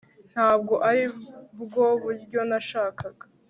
ntabwo aribwo buryo nashakaga